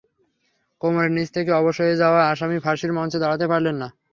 কোমরের নিচ থেকে অবশ হয়ে যাওয়ায় আসামি ফাঁসির মঞ্চে দাঁড়াতে পারলেন না।